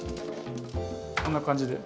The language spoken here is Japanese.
こんな感じで。